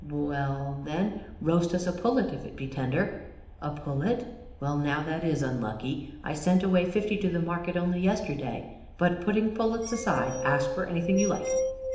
"Well, then, roast us a pullet, if it be tender." "A pullet? Well, now, that is unlucky. I sent away fifty to the market only yesterday. But, putting pullets aside, ask for anything you like."